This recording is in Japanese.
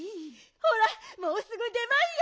ほらもうすぐでばんよ。